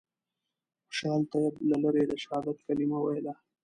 خوشحال طیب له لرې د شهادت کلمه ویله.